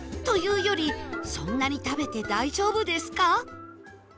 というよりそんなに食べて大丈夫ですか？